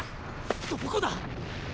どこだ？